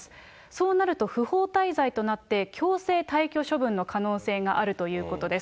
そうなると不法滞在となって、強制退去処分の可能性があるということです。